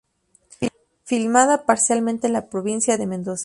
Filmada parcialmente en la provincia de Mendoza.